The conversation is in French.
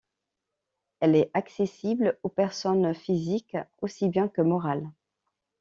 Elle est accessible aux personnes physiques aussi bien que morales.